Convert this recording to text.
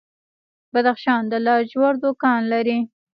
بدخشان د لاجوردو کان لري